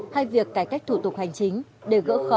hay việc cải cách thủ tục hành chính để gỡ khó cho doanh nghiệp